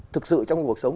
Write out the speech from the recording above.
thực sự trong cuộc sống